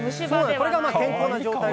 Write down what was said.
これが健康な状態？